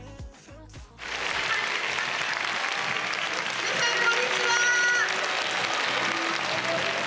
皆さんこんにちは！